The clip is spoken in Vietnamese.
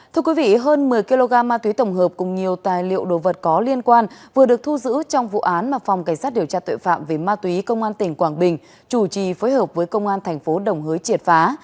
thưa quý vị hơn một mươi kg ma túy tổng hợp cùng nhiều tài liệu đồ vật có liên quan vừa được thu giữ trong vụ án mà phòng cảnh sát điều tra tội phạm về ma túy công an tỉnh quảng bình chủ trì phối hợp với công an thành phố đồng hới triệt phá